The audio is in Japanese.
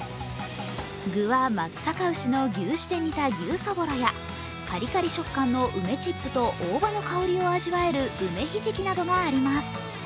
具は松阪牛の牛脂で煮た牛そぼろやかりかり食感の梅チップと大葉の香りを味わえる梅ひじきなどがあります。